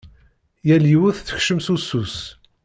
Yal yiwet tekcem s usu-s.